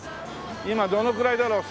今どのぐらいだろう？